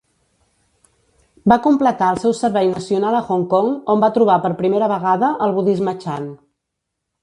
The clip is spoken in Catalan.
Va completar el seu servei nacional a Hong Kong, on va trobar per primera vegada el budisme Chan.